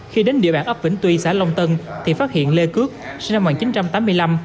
khi đến địa bản ấp vĩnh tuy xã long tân thì phát hiện lê cướp sinh năm một nghìn chín trăm tám mươi năm